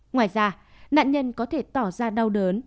ngoài ra nạn nhân có thể tỏ ra đau đớn